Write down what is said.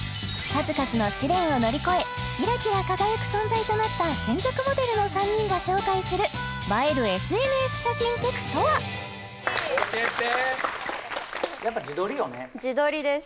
数々の試練を乗り越えキラキラ輝く存在となった専属モデルの３人が紹介する映えるＳＮＳ写真テクとは教えて自撮りです